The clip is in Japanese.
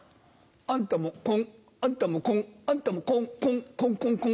あんたもコンあんたもコンあんたもコンコンコンコンコン。